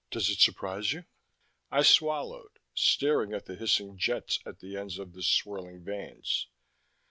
Does it surprise you?" I swallowed, staring at the hissing jets at the ends of the swirling vanes.